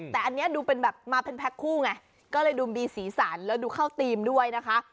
แต่อันนี้ดูเป็นแบบมาเป็นแพ็คคู่ไงก็เลยดูมีสีสันแล้วดูเข้าธีมด้วยนะคะ